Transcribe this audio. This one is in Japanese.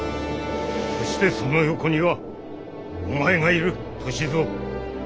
そしてその横にはお前がいる歳三。